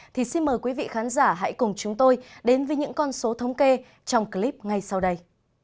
thì xin mời quý vị khán giả hãy cùng chúng tôi đến với những con số thống kê trong clip ngay sau đây